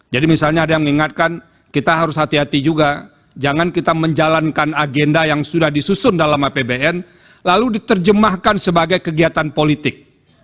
jadi misalnya ada yang mengingatkan kita harus hati hati juga jangan kita menjalankan agenda yang sudah disusun dalam apbn lalu diterjemahkan sebagai kegiatan politik